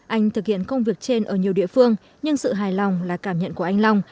anh thực hiện công việc trên ở nhiều địa phương nhưng sự hài lòng là cảm nhận của anh long